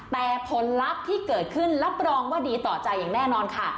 แต่ผลลัพธ์ที่เกิดขึ้นรับรองว่าดีต่อใจอย่างแน่นอนค่ะ